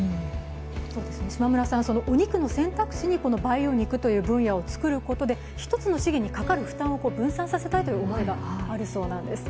島村さん、お肉の選択肢にこの培養肉という分野を作ることで１つの資源にかかる負担を分散させたいという思いがあるようです。